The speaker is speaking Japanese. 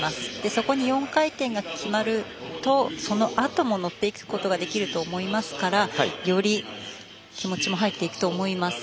そこに４回転が決まるとそのあとも乗っていくことができると思いますからより気持ちも入っていくと思います。